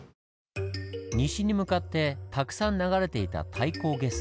西に向かってたくさん流れていた太閤下水。